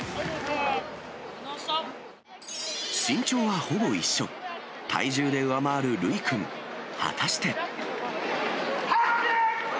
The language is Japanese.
身長はほぼ一緒、体重で上回る留一君、果たして。